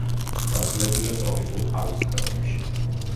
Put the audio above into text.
გავრცელებულია ტროპიკული ჰავის ქვეყნებში.